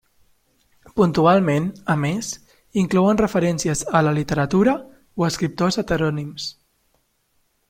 Puntualment, a més, inclouen referències a la literatura o a escriptors heterònims.